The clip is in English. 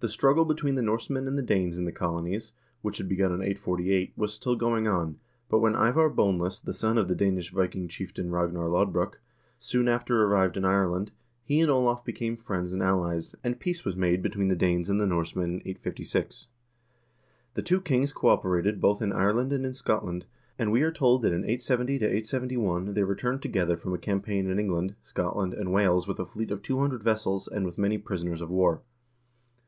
The struggle between the Norsemen and the Danes in the colonies, which had begun in 848, was still going on, but when Ivar Boneless, the son of the Danish Viking chieftain Ragnar Lodbrok, soon after arrived in Ireland, he and Olav became friends and allies, and peace was made between the Danes and the Norsemen in 856. The two kings cooperated both in Ireland and in Scotland, and we are told that in 870 871 they returned together from a campaign in England, Scot land, and Wales with a fleet of 200 vessels, and with many prisoners of war.